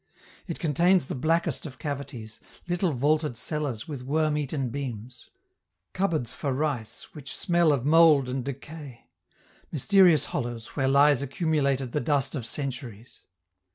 It contains the blackest of cavities, little vaulted cellars with worm eaten beams; cupboards for rice which smell of mould and decay; mysterious hollows where lies accumulated the dust of centuries.